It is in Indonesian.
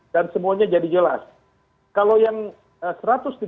dan sebab itu kita tidak bisa menghasilkan ujian laboratorium secara mandiri